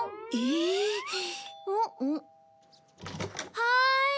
はい。